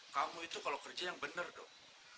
kamu itu kalau kerja yang benar dong